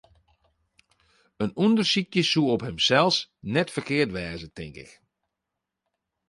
In ûndersykje soe op himsels net ferkeard wêze, tink ik.